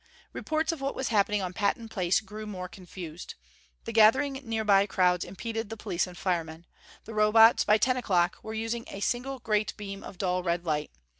Reports of what was happening on Patton Place grew more confused. The gathering nearby crowds impeded the police and firemen. The Robots, by ten o'clock, were using a single great beam of dull red light.